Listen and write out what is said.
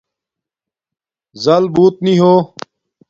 زَل بݸت نی ہو